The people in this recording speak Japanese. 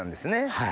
はい。